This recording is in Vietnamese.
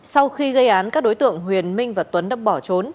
sau khi gây án các đối tượng huyền minh và tuấn đã bỏ trốn